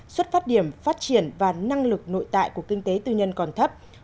xuất phát điểm phát triển và năng lực nội tại của kinh tế tư nhân còn thấp